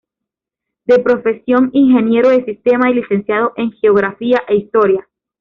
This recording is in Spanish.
De profesión ingeniero de sistemas y licenciado en geografía e historia.